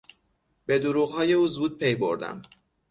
به دروغهای او زود پی بردم.